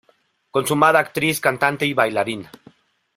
Consumada actriz, cantante y bailarina.